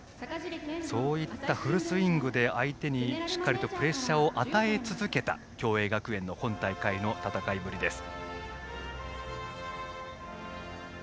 そういったフルスイングで相手にしっかりプレッシャーを与え続けた共栄学園の今大会の戦いぶりです。